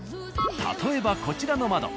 例えばこちらの窓。